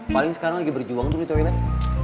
paling sekarang lagi berjuang tuh